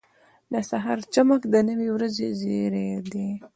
• د سهار چمک د نوې ورځې زېری دی.